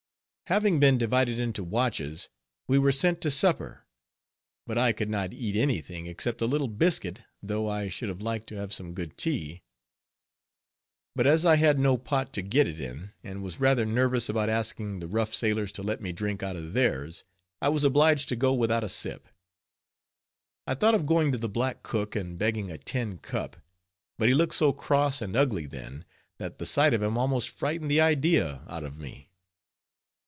Having been divided into watches we were sent to supper; but I could not eat any thing except a little biscuit, though I should have liked to have some good tea; but as I had no pot to get it in, and was rather nervous about asking the rough sailors to let me drink out of theirs; I was obliged to go without a sip. I thought of going to the black cook and begging a tin cup; but he looked so cross and ugly then, that the sight of him almost frightened the idea out of me.